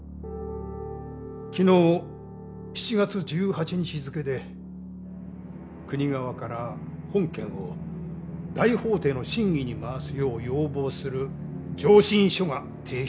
昨日７月１８日付で国側から本件を大法廷の審議に回すよう要望する「上申書」が提出されました。